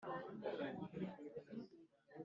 kirango cyacyo kiri murwanda